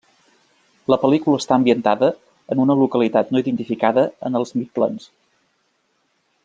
La pel·lícula està ambientada en una localitat no identificada en els Midlands.